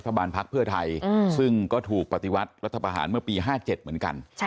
บานพักเพื่อไทยซึ่งก็ถูกปฏิวัติรัฐประหารเมื่อปี๕๗เหมือนกัน